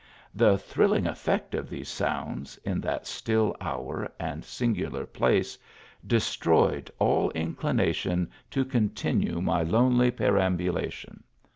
The thrilling effect of these sounds in that still hour and singular place, destroyed all inclination to continue my lonely perambulation.